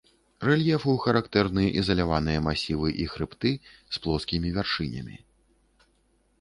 Рэльефу характэрны ізаляваныя масівы і хрыбты з плоскімі вяршынямі.